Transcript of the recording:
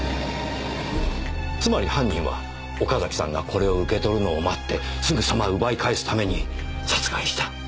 つまり犯人は岡崎さんがこれを受け取るのを待ってすぐさま奪い返すために殺害した。